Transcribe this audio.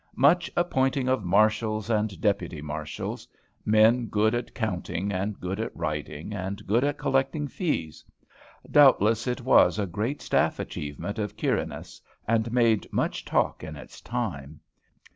Much appointing of marshals and deputy marshals, men good at counting, and good at writing, and good at collecting fees! Doubtless it was a great staff achievement of Quirinus, and made much talk in its time.